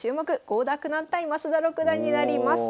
郷田九段対増田六段になります。